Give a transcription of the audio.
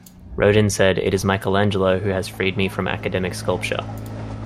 Rodin said, It is Michelangelo who has freed me from academic sculpture.